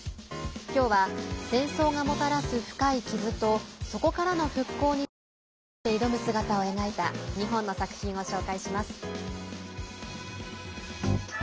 きょうは戦争がもたらす深い傷とそこからの復興に生涯をかけて挑む姿を描いた２本の作品を紹介します。